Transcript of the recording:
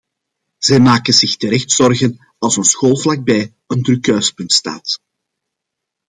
Zij maken zich terecht zorgen als een school vlakbij een druk kruispunt staat.